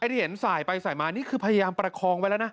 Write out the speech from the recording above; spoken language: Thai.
ที่เห็นสายไปสายมานี่คือพยายามประคองไว้แล้วนะ